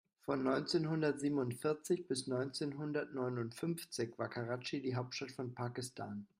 Von neunzehnhundertsiebenundvierzig bis neunzehnhundertneunundfünfzig war Karatschi die Hauptstadt von Pakistan.